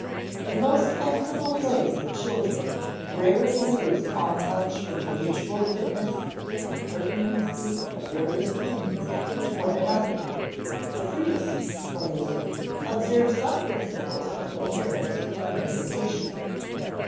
The most fanciful plays of children rarely lose all touch with the mutual fitness and pertinency of various meanings to one another; the "freest" plays observe some principles of coherence and unification.